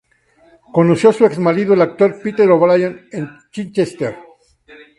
Conoció a su ex marido, el actor Peter O'Brien, en Chichester.